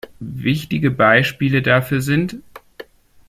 Wichtige Beispiele dafür sind